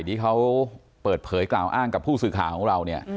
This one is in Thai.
ที่เขาเปิดเผยกล่าวอ้างกับผู้สื่อข่าวของเราเนี่ย